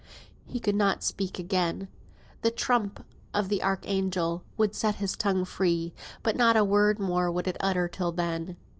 He could not speak again. The trump of the archangel would set his tongue free; but not a word more would it utter till then.